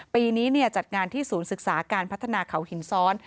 ปีนี้จัดงานที่ศูนย์ศึกษาการพัฒนาเขาหินซ้อน